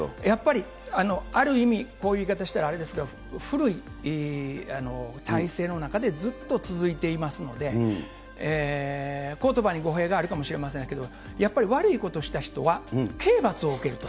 やっぱりある意味、こういう言い方したらあれですけれども、古い体制の中でずっと続いていますので、ことばに語弊があるかもしれませんけれども、やっぱり悪いことした人は、刑罰を受けると。